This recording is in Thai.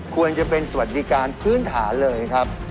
ควรจะเป็นสวัสดิการพื้นฐานเลยครับ